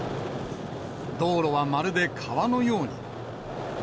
道路はまるで川のように。